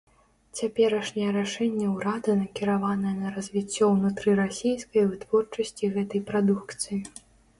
Цяперашняе рашэнне ўрада накіраванае на развіццё ўнутрырасійскай вытворчасці гэтай прадукцыі.